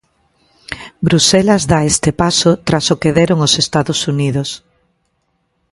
Bruxelas da este paso tras o que deron os Estados Unidos.